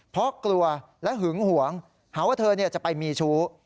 เพราะกลัวและหึงหวงหาว่าเธอจะไปมีชู้